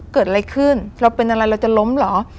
เกิดอะไรขึ้นเราเป็นอะไรเราจะล้มเหรอ